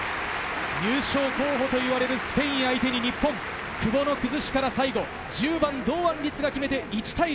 優勝候補といわれるスペイン相手に日本、久保の崩しから最後１０番・堂安律が決めて１対０。